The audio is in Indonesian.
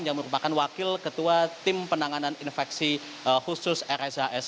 yang merupakan wakil ketua tim penanganan infeksi khusus rshs